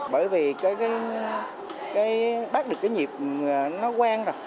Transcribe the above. bởi vì cái bác được cái nghiệp nó quen rồi